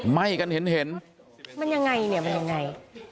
ไหม้กันเห็นมันยังไงเนี่ยมันยังไง